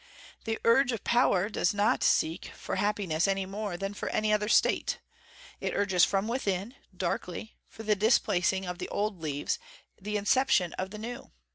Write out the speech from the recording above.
The urge of power does not seek for happiness any more than for any other state. It urges from within, darkly, for the displacing of the old leaves, the inception of the new.